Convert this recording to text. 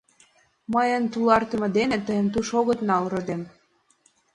— Мыйын тулартыме дене тыйым туш огыт нал, родем.